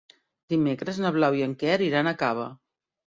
Dimecres na Blau i en Quer iran a Cava.